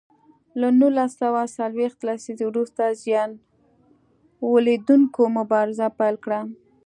له نولس سوه څلویښت لسیزې وروسته زیان ولیدوونکو مبارزه پیل کړه.